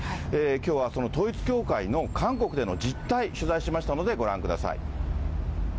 きょうはその統一教会の韓国での実態、取材しましたのでご覧ください。